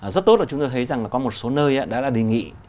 rất tốt và chúng tôi thấy rằng là có một số nơi đã là đề nghị